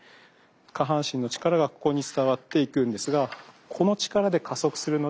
下半身の力がここに伝わっていくんですがこの力で加速するのではないということです。